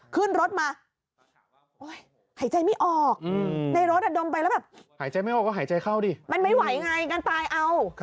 ขึ้นรถมาหายใจไม่ออกในรถดมไปแล้วแบบหายใจไม่ออกก็หายใจเข้าดิมันไม่ไหวไงงั้นตายเอา